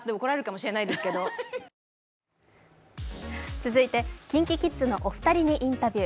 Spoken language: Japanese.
続いて、ＫｉｎＫｉＫｉｄｓのお二人にインタビュー。